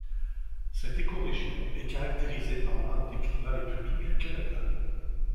Cette écorégion est caractérisée par l'un des climats les plus doux du Canada.